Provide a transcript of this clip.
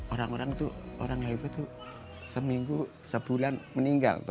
orang orang itu orang heliko itu seminggu sebulan meninggal